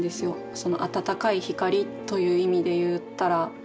その温かいひかりという意味で言ったら。